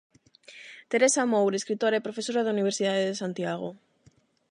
Teresa Moure, escritora e Profesora da Universidade de Santiago.